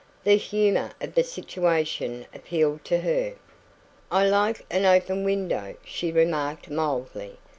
The humour of the situation appealed to her. "I like an open window," she remarked mildly.